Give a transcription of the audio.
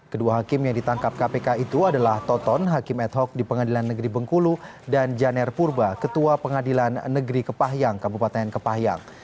kedua hakim yang ditangkap kpk itu adalah toton hakim ad hoc di pengadilan negeri bengkulu dan janer purba ketua pengadilan negeri kepahyang kabupaten kepahyang